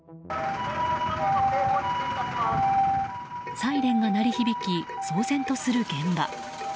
サイレンが鳴り響き騒然とする現場。